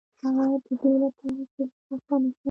هغه ددې لپاره چې زه خفه نشم.